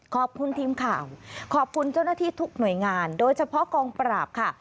ขอบคุณทีมข่าวขอบคุณเจ้าหน้าที่ทุกหน่วยงานโดยเฉพาะกองปราบค่ะ